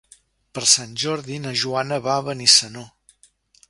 Per Sant Jordi na Joana va a Benissanó.